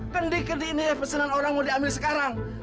keni keni pesanan orang mau diambil sekarang